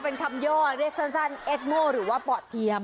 เป็นคำย่อเรียกสั้นเอ็ดโม่หรือว่าปอดเทียม